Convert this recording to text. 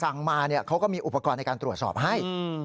สั่งมาเขาก็มีอุปกรณ์ในการตรวจสอบให้